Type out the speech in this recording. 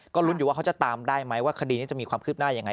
ก็ลุ้นอยู่ว่าเขาจะตามได้ไหมว่าคดีนี้จะมีความคืบหน้ายังไง